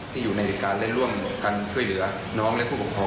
ที่อยู่ในเหตุการณ์และร่วมกันช่วยเหลือน้องและผู้ปกครอง